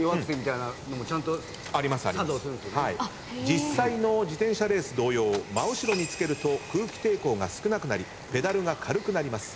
実際の自転車レース同様真後ろにつけると空気抵抗が少なくなりペダルが軽くなります。